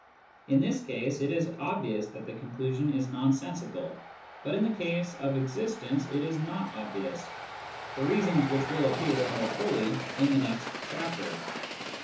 In this case it is obvious that the conclusion is nonsensical, but Pt opositional Functions 165 in the case of existence it is not obvious, for reasons which will appear more fully in the next chapter.